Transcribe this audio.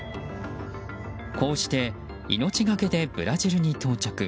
こうして命がけでブラジルに到着。